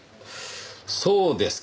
そうですか。